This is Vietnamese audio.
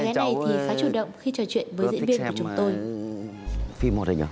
cháu thích xem phim hồn hình không